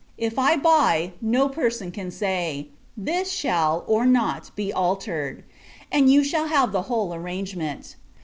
If I buy, no person can say this shall, or not, be altered; and, you shall have the whole arrangement.